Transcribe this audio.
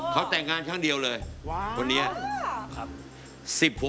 เขาแต่งงานครั้งเดียวเลยคนนี้